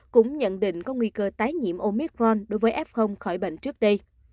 cũng nhận định có nguy cơ tái nhiễm omicron đối với f khỏi bệnh trước đây